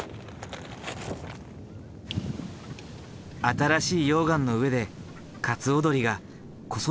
新しい溶岩の上でカツオドリが子育てを始めている。